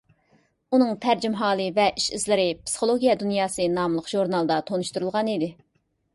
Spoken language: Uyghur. ئۇنىڭ تەرجىمىھالى ۋە ئىش-ئىزلىرى «پسىخولوگىيە دۇنياسى» ناملىق ژۇرنالدا تونۇشتۇرۇلغان ئىدى.